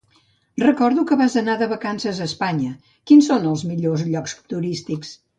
Recordo que vas anar de vacances a Espanya. Quins són els millors llocs turístics?